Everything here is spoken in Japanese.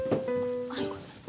はい。